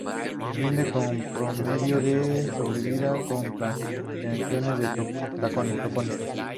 Rinde bien en promedio de sobrevida con plantaciones de tocones.